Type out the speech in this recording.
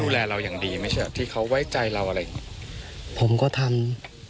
จะยำรับไหมคะว่ามีความสัมพันธ์กัน